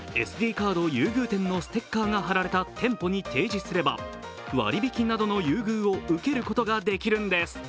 カード優遇店のステッカーが貼られた店舗に提示すれば、割引などの優遇を受けることできるんです。